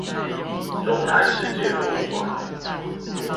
中台世界博物館